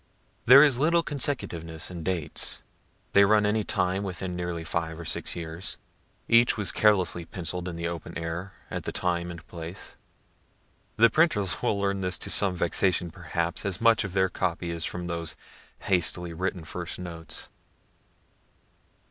There is little consecutiveness in dates. They run any time within nearly five or six years. Each was carelessly pencilled in the open air, at the time and place. The printers will learn this to some vexation perhaps, as much of their copy is from those hastily written first notes.